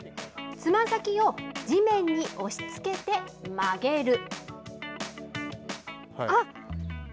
つま先を地面に押しつけて曲げる。